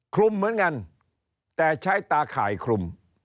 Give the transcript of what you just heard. คลุมเหมือนกันแต่ใช้ตาข่ายคลุม